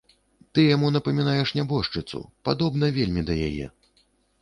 Ты яму напамінаеш нябожчыцу, падобна вельмі да яе!